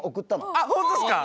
あっ本当っすか？